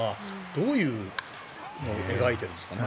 どういうのを描いてるんですかね。